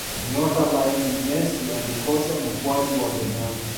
nyota lionel messi alikosa mkwaju wa penati